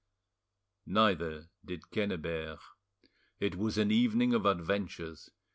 Neither did Quennebert. It was an evening of adventures.